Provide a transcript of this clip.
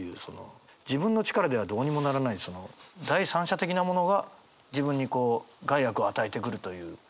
自分の力ではどうにもならない第三者的なものが自分にこう害悪を与えてくるという。